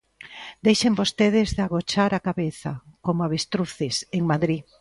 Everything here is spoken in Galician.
Deixen vostedes de agochar a cabeza, coma avestruces, en Madrid.